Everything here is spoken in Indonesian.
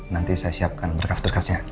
nanti saya siapkan berkas berkasnya